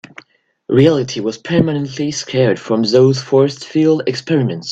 Reality was permanently scarred from those force field experiments.